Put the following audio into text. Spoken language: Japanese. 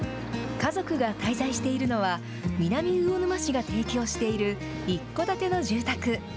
家族が滞在しているのは、南魚沼市が提供している一戸建ての住宅。